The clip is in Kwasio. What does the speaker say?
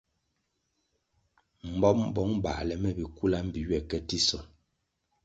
Mbom, bong bale me bikula mbpi ywe ke tisonʼ.